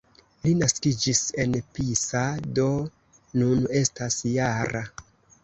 Li naskiĝis en Pisa, do nun estas -jara.